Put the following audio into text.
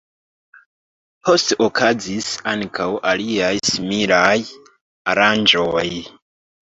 Poste okazis ankaŭ aliaj similaj aranĝoj.